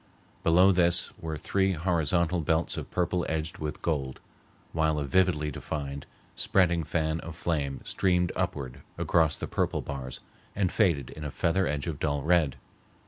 Below this were three horizontal belts of purple edged with gold, while a vividly defined, spreading fan of flame streamed upward across the purple bars and faded in a feather edge of dull red.